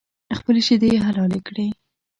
خپلې شیدې یې حلالې کړې.